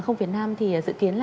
do việt nam airlines